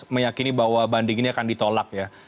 meyakini bahwa banding ini akan ditolak ya